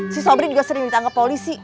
si sobri juga sering minta anggap polisi